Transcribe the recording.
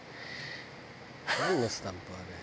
「なんのスタンプ？あれ」